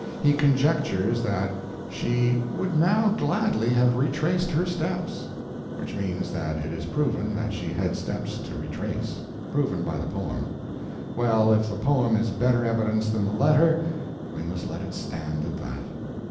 He conjectures that she "would now gladly have retraced her steps." Which means that it is proven that she had steps to retrace proven by the poem. Well, if the poem is better evidence than the letter, we must let it stand at that.